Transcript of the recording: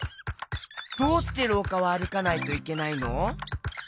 どうしてろうかはあるかないといけないの？